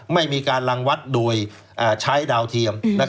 ไม่มีการรังวัดโดยใช้ดาวเทียม